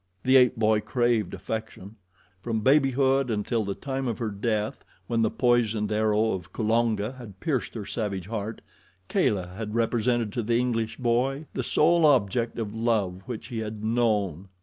The ape boy craved affection. From babyhood until the time of her death, when the poisoned arrow of Kulonga had pierced her savage heart, Kala had represented to the English boy the sole object of love which he had known.